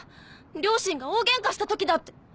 両親が大ゲンカした時だって。